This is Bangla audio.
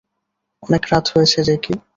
অনেক রাত হয়েছে, জ্যাকি।